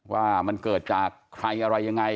ว่ามันเกิดจากใครอะไรยังไง